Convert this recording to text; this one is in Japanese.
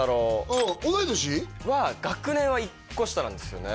ああ同い年？は学年は１個下なんですよね